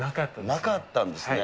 なかったんですね。